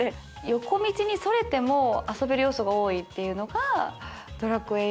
横道にそれても遊べる要素が多いっていうのが『ドラクエⅪ』